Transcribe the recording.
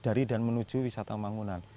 dari dan menuju wisata mangunan